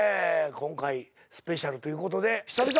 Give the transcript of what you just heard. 今回スペシャルということで久々か。